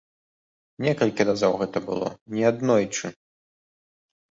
Некалькі разоў гэта было, неаднойчы.